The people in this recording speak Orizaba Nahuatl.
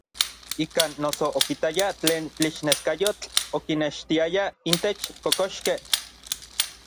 Ikan noso okitaya tlen tlixneskayotl okinextiaya intech kokoxkej.